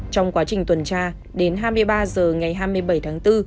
trong quá trình tuần tra đến hai mươi ba h ngày hai mươi bảy tháng bốn